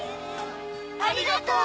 ありがとう！